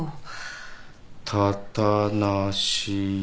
「たたなしよ」